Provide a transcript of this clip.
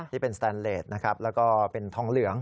ที่เป็นสแตนเลสนะครับแล้วก็เป็นทองเหลือง